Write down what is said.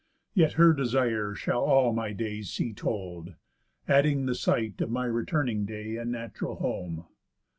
Yet her desire shall all my days see told, Adding the sight of my returning day, And natural home.